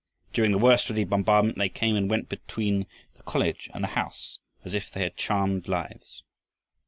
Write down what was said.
During the worst of the bombardment they came and went between the college and the house as if they had charmed lives.